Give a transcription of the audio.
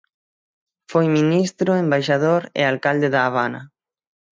Foi ministro, embaixador e alcalde da Habana.